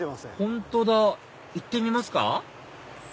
本当だ行ってみますか？